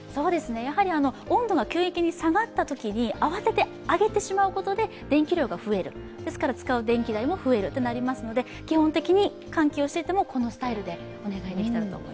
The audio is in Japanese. やはり温度が急激に下がったときに慌ててあげてしまうことで電気料が増える、ですから使う電気代も増えるとなりますので、基本的に換気をしていてもこのスタイルでお願いできたらと。